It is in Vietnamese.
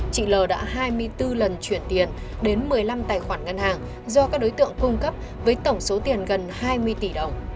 chị l đã hai mươi bốn lần chuyển tiền đến một mươi năm tài khoản ngân hàng do các đối tượng cung cấp với tổng số tiền gần hai mươi tỷ đồng